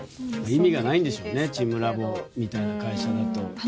意味がないんでしょうねチームラボみたいな会社だと。